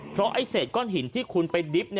เพราะเศษก้อนหินที่คุณไปดริฟท์